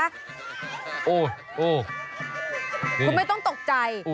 คุณไม่ต้องตกใจ